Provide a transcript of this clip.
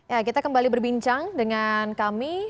ya kita kembali berbincang dengan kami